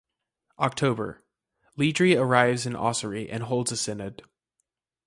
October -- Ledrede arrives in Ossory and holds a synod.